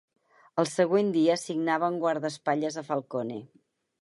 El següent dia assignaven guardaespatlles a Falcone.